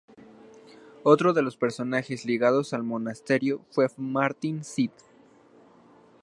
Otro de los personajes ligados al monasterio fue Martín Cid.